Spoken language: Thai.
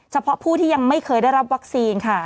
เฉพาะผู้ที่ยังไม่เคยได้รับวัคซีนค่ะ